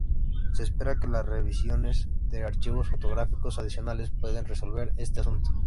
Se espera que las revisiones de archivos fotográficos adicionales puedan resolver este asunto.